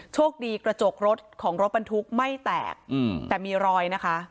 โชคดีกระจกรถของรถบรรทุกไม่แตกแต่มีรอยนะคะ